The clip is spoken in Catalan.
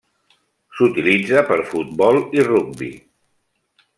S'utilitza per futbol i rugbi.